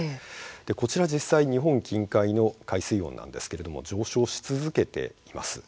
こちら実際に日本近海の海水温なんですが上昇し続けています。